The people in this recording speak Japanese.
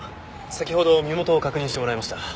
先ほど身元を確認してもらいました。